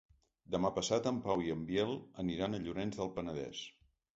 Demà passat en Pau i en Biel aniran a Llorenç del Penedès.